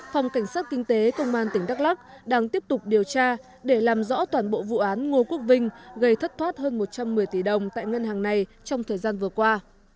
phòng cảnh sát kinh tế công an tỉnh đắk lắc đang tiếp tục điều tra để làm rõ toàn bộ vụ án ngô quốc vinh gây thất thoát hơn một trăm một mươi tỷ đồng tại ngân hàng này trong thời gian vừa qua